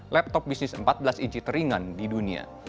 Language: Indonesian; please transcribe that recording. laptop bisnis empat belas inci teringan di dunia